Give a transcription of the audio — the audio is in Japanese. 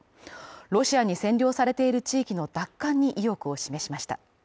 ロシアに占領されている地域の奪還に意欲を示しました。